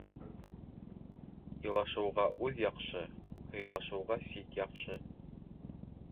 Илашыуға үҙ яҡшы, һыйлашыуға сит яҡшы.